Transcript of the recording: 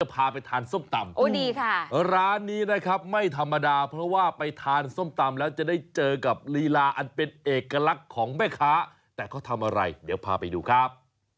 พาไปทานส้มตำร้านนี้นะครับไม่ธรรมดาเพราะว่าไปทานส้มตำแล้วจะได้เจอกับลีลาอันเป็นเอกลักษณ์ของแม่ค้าแต่เขาทำอะไรเดี๋ยวพาไปดูครับ